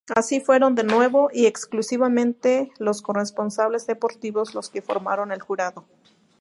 Así fueron de nuevo y exclusivamente los corresponsales deportivos los que formaron el jurado.